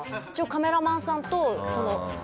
カメラマンさんと。